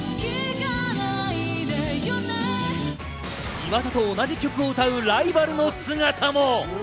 岩田と同じ曲を歌うライバルの姿も。